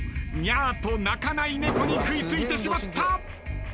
ニャーと鳴かない猫に食い付いてしまった。